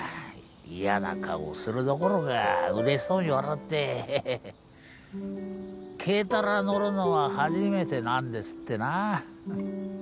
嫌な顔するどころかうれしそうに笑って「軽トラ乗るのは初めてなんです」ってな。